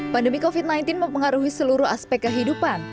pandemi covid sembilan belas mempengaruhi seluruh aspek kehidupan